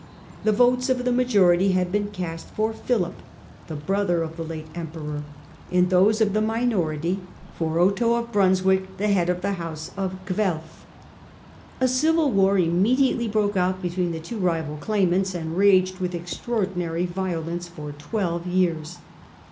The votes of the majority had been cast for Philip, the brother of the late Emperor, and those of the minority for Otho of Brunswick, the head of the house of Guelf. A civil war immediately broke out between the two rival claimants and raged with extraordinary violence for twelve years.